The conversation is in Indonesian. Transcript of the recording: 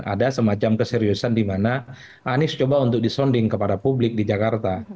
ada semacam keseriusan di mana anies coba untuk disonding kepada publik di jakarta